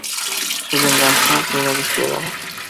Su venganza será despiadada.